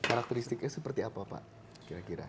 karakteristiknya seperti apa pak